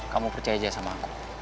kamu percaya aja sama aku